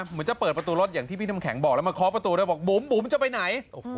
เหมือนจะเปิดประตูรถอย่างที่พี่น้ำแข็งบอกแล้วมาเคาะประตูด้วยบอกบุ๋มจะไปไหน